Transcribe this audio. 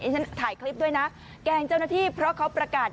ฉันถ่ายคลิปด้วยนะแกล้งเจ้าหน้าที่เพราะเขาประกาศ